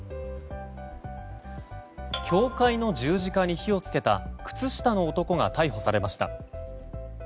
教会の十字架に火を付けた靴下の男が逮捕されました。